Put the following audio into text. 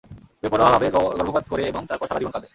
বেপরোয়াভাবে গর্ভপাত করে এবং তারপর সারাজীবন কাঁদে।